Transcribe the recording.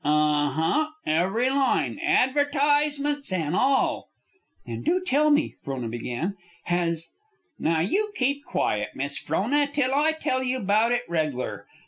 "Unh huh, every line, advertisements an' all." "Then do tell me," Frona began. "Has " "Now you keep quiet, Miss Frona, till I tell you about it reg'lar.